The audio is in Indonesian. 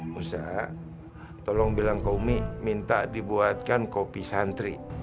musa tolong bilang ke umi minta dibuatkan kopi santri